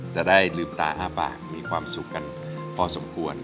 จะได้ลืมตาอ้าปากมีความสุขกันพอสมควร